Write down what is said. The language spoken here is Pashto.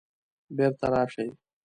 بیرته راشئ